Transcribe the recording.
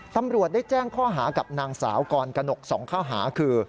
ตำรวจได้แจ้งข้อหากับนางสาวกรกนก๒ข้อหาคือ